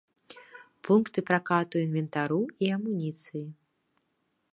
Пункты пракату інвентару і амуніцыі.